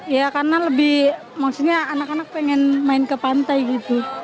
ya karena lebih maksudnya anak anak pengen main ke pantai gitu